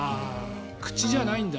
口じゃないんだ。